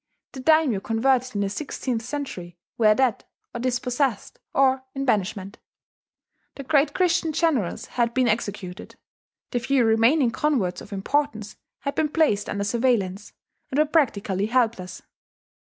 The daimyo converted in the sixteenth century were dead or dispossessed or in banishment; the great Christian generals had been executed; the few remaining converts of importance had been placed under surveillance, and were practically helpless.